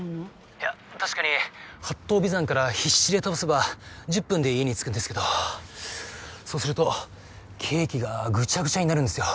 いや確かに八頭尾山から必死で飛ばせば１０分で家に着くんですけどそうするとケーキがぐちゃぐちゃになるんですよ。